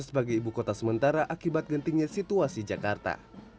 sebagai ibu kota sementara akibat gentingnya situasi jakarta